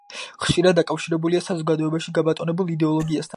ხშირად დაკავშირებულია საზოგადოებაში გაბატონებულ იდეოლოგიასთან.